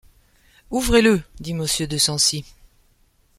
Ouvrez-le ! dit Monsieur de Sancy.